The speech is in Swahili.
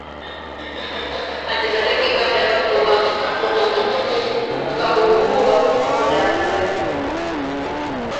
Alifariki baada ya kuugua kwa muda mrefu